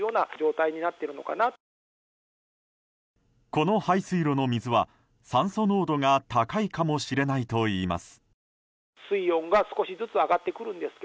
この排水路の水は酸素濃度が高いかもしれないといいます。